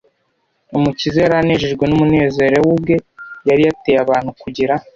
umukiza yari anejejwe n’umunezero we ubwe yari yateye abantu kugira